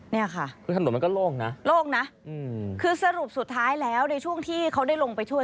เนี่ยค่ะคือถนนมันก็โล่งนะโล่งนะคือสรุปสุดท้ายแล้วในช่วงที่เขาได้ลงไปช่วย